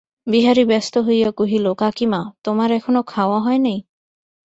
বিহারী ব্যস্ত হইয়া কহিল, কাকীমা, তোমার এখনো খাওয়া হয় নাই?